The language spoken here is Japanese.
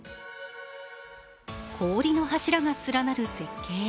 氷の柱が連なる絶景。